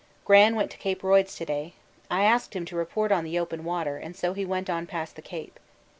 Gran went to C. Royds to day. I asked him to report on the open water, and so he went on past the Cape.